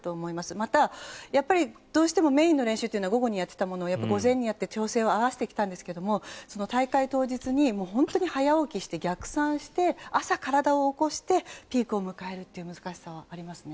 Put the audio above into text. またどうしてもメインの練習を午後にやっていたものを午前にやって、調整を合わせてきたんですけれども大会当日に早起きして逆算して朝、体を起こしてピークを迎えるという難しさはありますね。